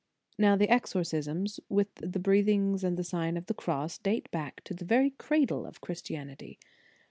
Now the exorcisms, with the breath ings and the Sign of the Cross, date back to the very cradle of Christianity.